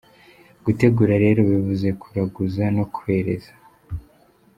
Gutegura rero bivuze kuraguza no kwereza.